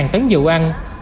hai tấn dầu ăn